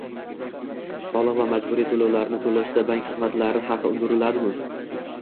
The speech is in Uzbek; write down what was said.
soliq va majburiy to‘lovlarni to‘lashda bank xizmatlari haqi undiriladimi?